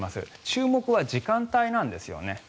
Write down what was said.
注目は時間帯なんですよね。